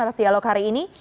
atas dialog hari ini